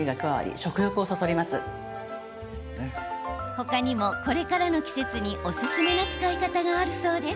他にも、これからの季節におすすめな使い方があるそうです。